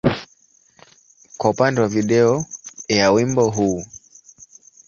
kwa upande wa video ya wimbo huu.